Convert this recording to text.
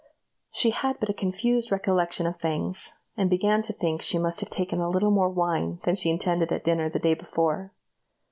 She had but a confused recollection of things, and began to think she must have taken a little more wine than she intended at dinner the day before.